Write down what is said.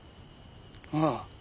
ああ。